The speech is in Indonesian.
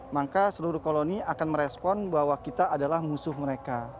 maka seluruh koloni akan merespon bahwa kita adalah musuh mereka